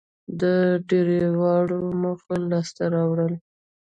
د درېواړو موخو لاسته راوړل